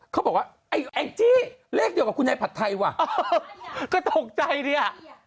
เขาบอกว่าแองจิเลขเดียวกับคุณไอพัดไทยขอโธ่ใจ